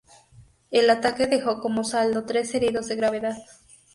El ataque dejó como saldo tres heridos de gravedad.